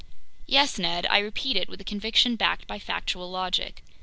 ?" "Yes, Ned, I repeat it with a conviction backed by factual logic.